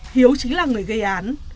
hiếu chính là người gây án